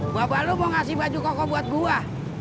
bapak lu mau kasih baju koko buat gua